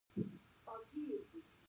نفت د افغانستان یوه طبیعي ځانګړتیا ده.